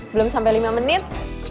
belum sampai lima menit